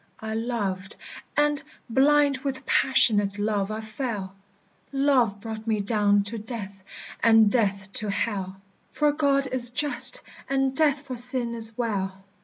"I loved, and, blind with passionate love, I fell. Love brought me down to death, and death to Hell; For God is just, and death for sin is well.